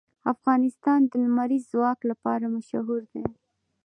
افغانستان د لمریز ځواک لپاره مشهور دی.